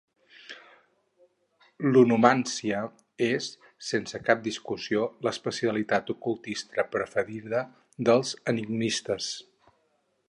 L'onomància és, sense cap discussió, l'especialitat ocultista preferida dels enigmistes.